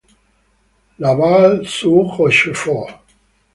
La Valla-sur-Rochefort